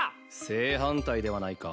正反対ではないか。